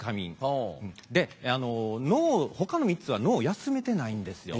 ほかの３つは脳を休めてないんですよ。